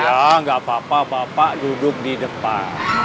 ya nggak apa apa bapak duduk di depan